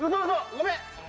ごめん！